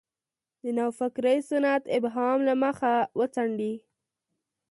د نوفکرۍ سنت ابهام له مخه وڅنډي.